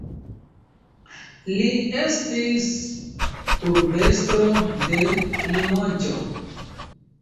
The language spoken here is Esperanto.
Li estis urbestro de Limoĝo.